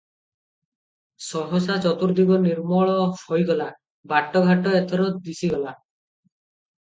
ସହସା ଚତୁର୍ଦିଗ ନିର୍ମଳ ହୋଇଗଲା, ବାଟ ଘାଟ ଏଥର ଦିଶିଗଲା ।